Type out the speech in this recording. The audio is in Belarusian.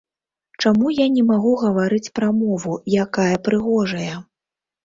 Чаму я не магу гаварыць пра мову, якая прыгожая.